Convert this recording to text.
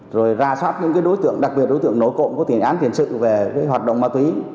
rồi ra soát những đối tượng đặc biệt đối tượng nổi cộng có tiền án tiền sự về hoạt động ma túy